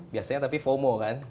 biasanya tapi fomo kan